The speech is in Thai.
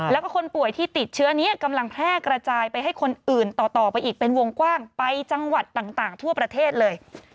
แล้วก็คนป่วยที่ติดเชื้อนี้กำลังแพร่กระจายไปให้คนอื่นต่อไปอีกเป็นวงกว้างไปจังหวัดต่างทั่วประเทศเลย